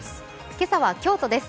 今朝は京都です